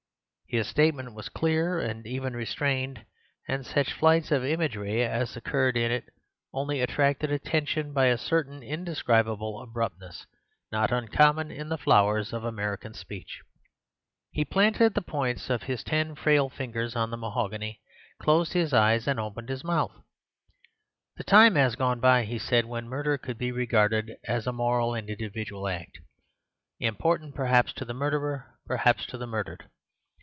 His statement was clear and even restrained, and such flights of imagery as occurred in it only attracted attention by a certain indescribable abruptness, not uncommon in the flowers of American speech. He planted the points of his ten frail fingers on the mahogany, closed his eyes, and opened his mouth. "The time has gone by," he said, "when murder could be regarded as a moral and individual act, important perhaps to the murderer, perhaps to the murdered.